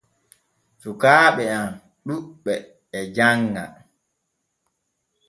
Sukkaaɓe am ɗuɓɓe e janŋa.